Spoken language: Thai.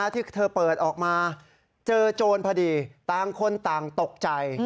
ที่เธอเปิดออกมาเจอโจรพอดีต่างคนต่างตกใจ